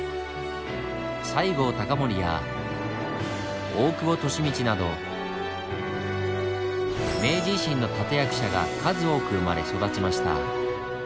西郷隆盛や大久保利通など明治維新の立て役者が数多く生まれ育ちました。